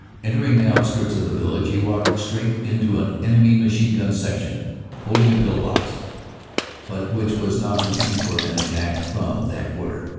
Entering the out skirts of the village he walked straight into an enemy machine gun section, holding a pill box, but which was not looking for an attack from that quarter.